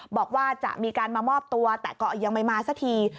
บอกว่าจะมีการมามอบตัวแต่ก็ยังไม่มาสักที